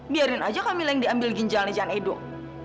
biarin aja kamila yang diambil ginjalnya jangan hidup